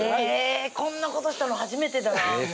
こんなことしたの初めてだな。